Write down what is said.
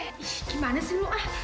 eh gimana sih lu ah